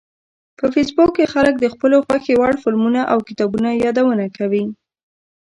په فېسبوک کې خلک د خپلو خوښې وړ فلمونو او کتابونو یادونه کوي